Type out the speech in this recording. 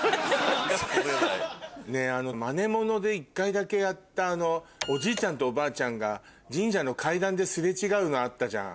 ねぇまねもので１回だけやったおじいちゃんとおばあちゃんが神社の階段で擦れ違うのあったじゃん。